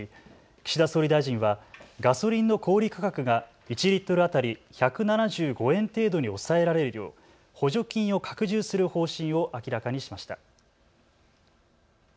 岸田総理大臣はガソリンの小売価格が１リットル当たり１７５円程度に抑えられるよう補助金を拡充する方針を明らかにしました。